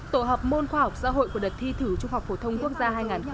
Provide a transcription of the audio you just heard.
tổ học môn khoa học xã hội của đợt thi thử trung học phổ thông quốc gia hai nghìn một mươi tám